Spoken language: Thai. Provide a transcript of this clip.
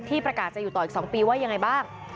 ประกาศจะอยู่ต่ออีก๒ปีว่ายังไงบ้าง